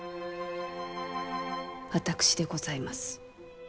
私でございます。